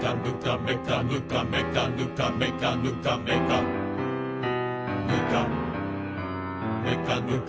「めかぬかめかぬかめかぬかめかぬかめかぬか」